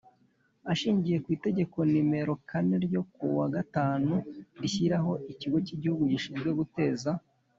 Ashingiye ku Itegeko nomero kane ryo kuwa gatanu rishyiraho Ikigo cy Igihugu gishinzwe guteza